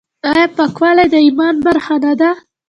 آیا پاکوالی د ایمان برخه نه ده؟